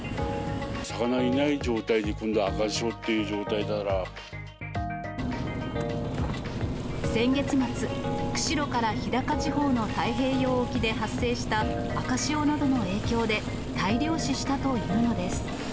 魚いない状態で、今度は赤潮先月末、釧路から日高地方の太平洋沖で発生した赤潮などの影響で、大量死したというのです。